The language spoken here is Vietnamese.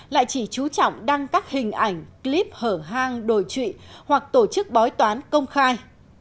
lại chỉ trú trọng đăng các hình ảnh clip hở hang đổi trụy hoặc tổ chức bói toán công khai